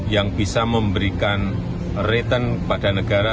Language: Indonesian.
yang bisa memberikan return kepada negara